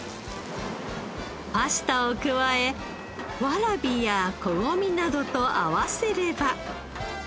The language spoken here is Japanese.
パスタを加えわらびやこごみなどと合わせれば。